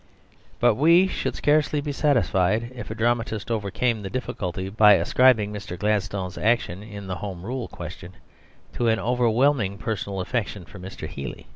But we should scarcely be satisfied if a dramatist overcame the difficulty by ascribing Mr. Gladstone's action in the Home Rule question to an overwhelming personal affection for Mr. Healy.